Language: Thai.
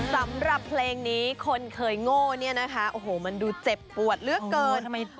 สำหรับเพลงนี้คนเคยโง่เนี่ยนะคะโอ้โหมันดูเจ็บปวดเหลือเกิน